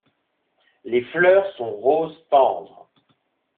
Les fleurs sont rose tendre.